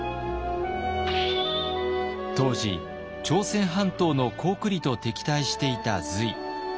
当時朝鮮半島の高句麗と敵対していた隋。